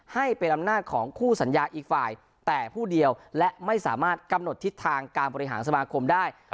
ให้เป็นอำนาจของคู่สัญญาอีกฝ่ายแต่ผู้เดียวและไม่สามารถกำหนดทิศทางการบริหารสมาคมได้